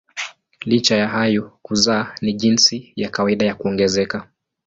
Licha ya hayo kuzaa ni jinsi ya kawaida ya kuongezeka.